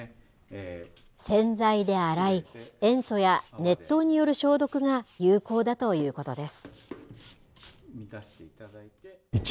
洗剤で洗い塩素や熱湯による消毒が有効だということです。